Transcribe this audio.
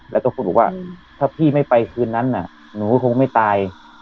แล้วก็พูดบอกว่าถ้าพี่ไม่ไปคืนนั้นหนูก็คงไม่ตาย